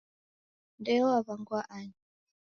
Ndeo waw'angwaa ani?